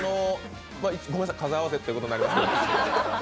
ごめんなさい数あわせということになります。